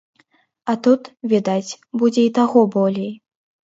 А тут, відаць, будзе і таго болей.